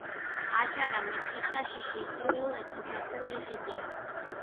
აჭარა მეწყერსაშიში ისტორიულ ეთნოგრაფიული ხიდია